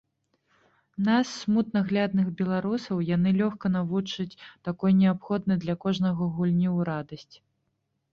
Нас, смутнаглядных беларусаў, яна лёгка навучыць такой неабходнай для кожнага гульні ў радасць.